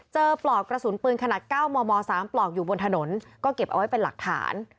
ปลอกกระสุนปืนขนาด๙มม๓ปลอกอยู่บนถนนก็เก็บเอาไว้เป็นหลักฐาน